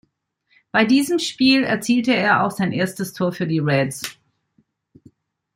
Bei diesem Spiel erzielte er auch sein erstes Tor für die Reds.